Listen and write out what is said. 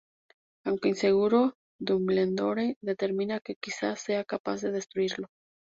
Aunque inseguro, Dumbledore determina que quizás sea capaz de destruirlo.